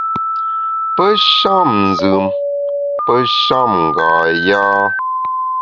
Pe sham nzùm, pe sham nga yâ.